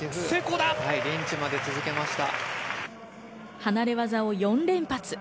離れ技を４連発。